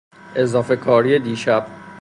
اضافه کاری دیشب.